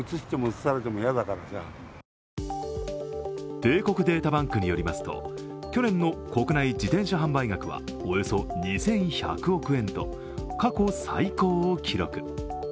帝国データバンクによりますと、去年の国内自転車販売額はおよそ２１００億円と、過去最高を記録。